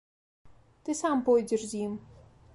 Ты сам пойдзеш з ім.